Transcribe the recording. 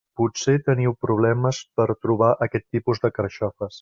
Potser teniu problemes per a trobar aquest tipus de carxofes.